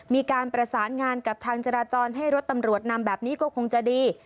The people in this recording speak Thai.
มีการประสานงานกับทางจราจรให้รถตำรวจนำแบบนี้ก็คงจะดี